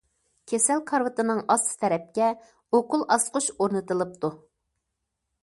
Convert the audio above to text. كېسەل كارىۋىتىنىڭ ئاستى تەرەپكە ئوكۇل ئاسقۇچ ئورنىتىلىپتۇ.